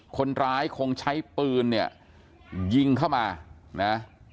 คนร้ายคงใช้ปืนเนี่ยยิงเข้ามานะ